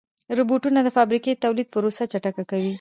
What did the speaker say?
روبوټونه د فابریکو د تولید پروسه چټکه کوي.